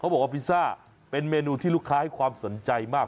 บอกว่าพิซซ่าเป็นเมนูที่ลูกค้าให้ความสนใจมาก